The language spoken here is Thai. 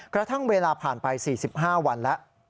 กระทั่งเวลาผ่านไป๔๕วันแล้ว